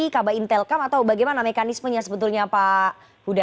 kaba intelkam atau bagaimana mekanismenya sebetulnya pak huda